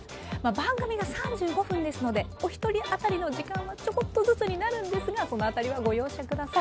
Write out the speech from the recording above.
番組が３５分ですのでお一人当たりの時間はちょこっとずつになるんですがその辺りはご容赦ください。